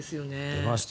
出ました